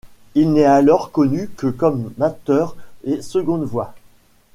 Il n’est alors connu que comme batteur et seconde voix.